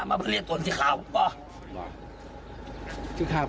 เอาตรีโตต๊อนสิข่าวหวัง